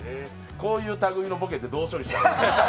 こういうたぐいのボケってどう処理したらいいの？